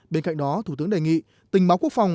bên cạnh đó thủ tướng đề nghị tình báo quốc phòng